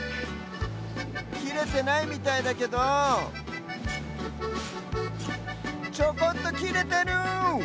きれてないみたいだけどちょこっときれてる！